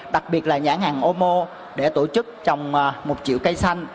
đặc biệt là nhãn hàng omo để tổ chức trồng một triệu cây xanh